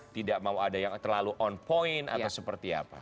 tidak mau ada yang terlalu on point atau seperti apa